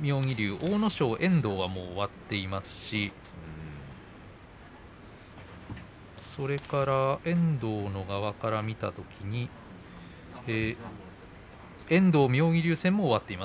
妙義龍、阿武咲遠藤は終わっていますしそれから遠藤から見れば遠藤妙義龍戦も終わっています。